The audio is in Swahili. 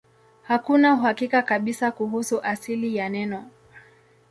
Hakuna uhakika kabisa kuhusu asili ya neno.